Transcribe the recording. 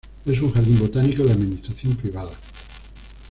Es un jardín botánico de administración privada.